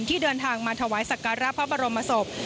ที่เดินทางมาถวายสักการะพระบรมศพ